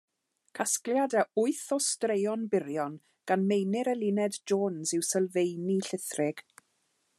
Casgliad o wyth o straeon byrion gan Meinir Eluned Jones yw Sylfeini Llithrig.